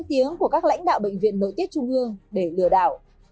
tiếng của các lãnh đạo bệnh viện nội tiết trung ương để lừa đảo